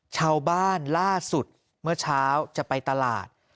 ชาวบ้านล่าสุดเมื่อเช้าจะไปตลาด